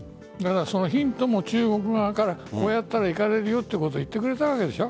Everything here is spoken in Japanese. ヒントも中国側からこうやったらいかれるよということを言ってくれたわけでしょ。